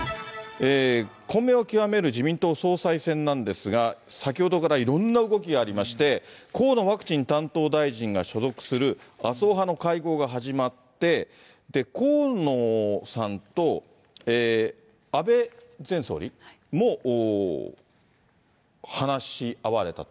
混迷を極める自民党総裁選なんですが、先ほどからいろんな動きがありまして、河野ワクチン担当大臣が所属する麻生派の会合が始まって、河野さんと安倍前総理も話し合われたと。